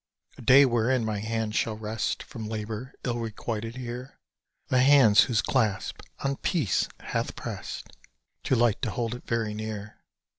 A day wherein my hands shall rest From labor ill requited here; The hands whose clasp on peace hath prest Too light to hold it very near.